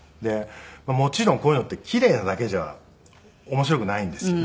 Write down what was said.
もちろんこういうのって奇麗なだけじゃ面白くないんですよね